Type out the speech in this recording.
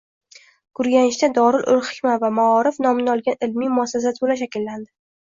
Gurganchda “Dorul hikma va maorif” nomini olgan ilmiy muassasa to`la shakllandi